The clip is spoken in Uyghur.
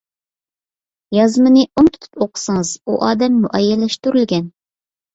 يازمىنى ئوڭ تۇتۇپ ئوقۇسىڭىز ئۇ ئادەم مۇئەييەنلەشتۈرۈلگەن.